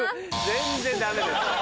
全然ダメですよ。